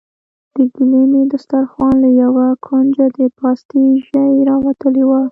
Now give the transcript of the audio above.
د ګيلمي دسترخوان له يوه کونجه د پاستي ژۍ راوتلې وه.